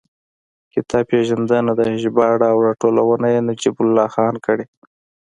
کتاب پېژندنه ده، ژباړه او راټولونه یې نجیب الله خان کړې.